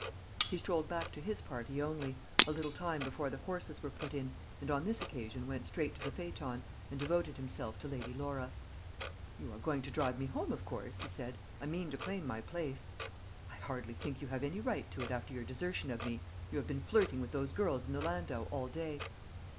He strolled back to his party only a little time before the horses were put in, and on this occasion went straight to the phaeton, and devoted himself to Lady Laura. "You are going to drive me home, of course?" he said. "I mean to claim my place." "I hardly think you have any right to it, after your desertion of me. You have been flirting with those girls in the landau all day."